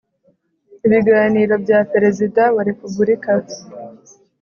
ibiganiro bya Perezida wa Repubulika